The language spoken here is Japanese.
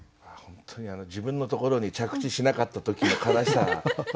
本当に自分のところに着地しなかった時の悲しさ。